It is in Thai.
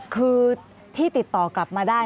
คือที่ติดต่อกลับมาได้